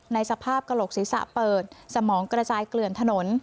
สภาพกระโหลกศีรษะเปิดสมองกระจายเกลื่อนถนน